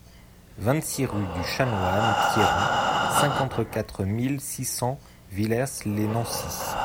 vingt-six rue du Chanoine Piéron, cinquante-quatre mille six cents Villers-lès-Nancy